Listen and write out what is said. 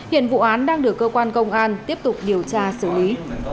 hiện vụ án đang được cơ quan công an tiếp tục điều tra xử lý